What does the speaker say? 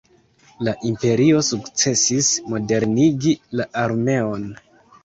La Imperio sukcesis modernigi la armeon.